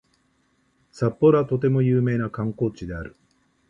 札幌はとても有名な観光地である